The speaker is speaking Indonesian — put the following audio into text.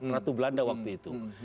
ratu belanda waktu itu